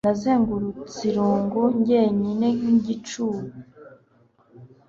Nazengurutse irungu njyenyinenkigicu n